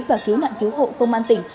và cứu nạn cứu hộ công an tỉnh